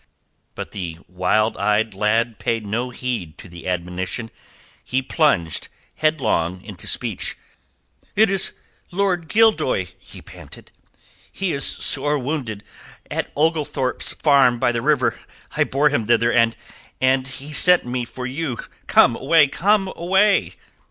But the wild eyed lad paid no heed to the admonition. He plunged, headlong, into speech, gasping, breathless. "It is Lord Gildoy," he panted. "He is sore wounded... at Oglethorpe's Farm by the river. I bore him thither... and... and he sent me for you. Come away! Come away!"